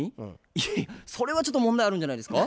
いやいやそれはちょっと問題あるんじゃないですか？